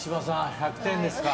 １００点ですか？